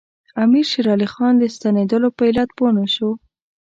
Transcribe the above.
امیر شېر علي خان د ستنېدلو په علت پوه نه شو.